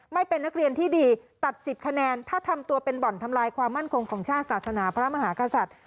ไม่เป็นนักเรียนที่ดีตัด๑๐คะแนนถ้าทำตัวเป็นบ่อนทำลายความมั่นคงของชาติศาสนาพระมหากษัตริย์